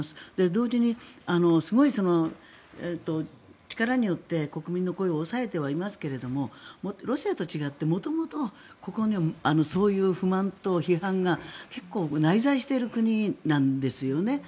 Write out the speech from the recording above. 同時にすごい力によって国民の声を抑えてはいますがロシアと違って元々、ここにはそういう不満と批判が結構、内在している国なんですよね。